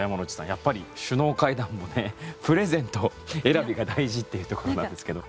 やっぱり首脳会談もプレゼント選びが大事というところなんですけど。